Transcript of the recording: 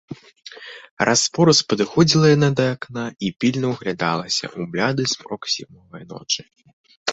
Раз-пораз падыходзіла яна да акна і пільна ўглядалася ў бляды змрок зімовае ночы.